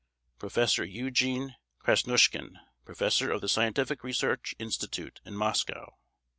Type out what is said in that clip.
PROFESSOR EUGENE KRASNUSHKIN, Professor of the Scientific Research Institute in Moscow.